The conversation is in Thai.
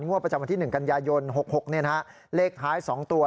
ประจำวันที่๑กันยายน๖๖เลขท้าย๒ตัว